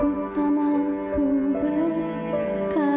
aku tak mampu berkata